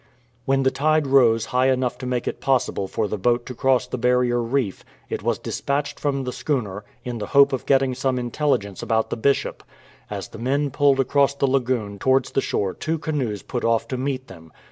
When the tide rose high enough to make it possible for the boat to cross the barrier reef, it was dispatched from the schooner, in the hope of getting some intelligence about the Bishop. As the men pulled across the lagoon towards the shore two canoes put off to meet them.